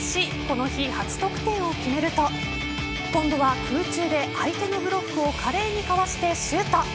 この日、初得点を決めると今度は空中で相手のブロックを華麗にかわしてシュート。